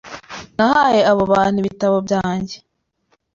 Nahaye abo bantu ibitabo byanjye.